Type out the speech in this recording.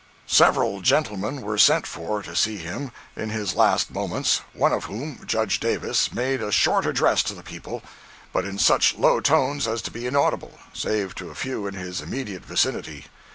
Several gentlemen were sent for to see him, in his last moments, one of whom (Judge Davis) made a short address to the people; but in such low tones as to be inaudible, save to a few in his immediate vicinity.